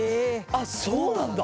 あっそうなんだ。